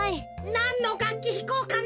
なんのがっきひこうかな。